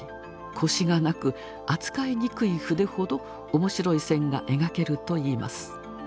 こしがなく扱いにくい筆ほど面白い線が描けるといいます。